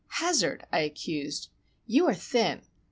"Hazard," I accused, "you are thin!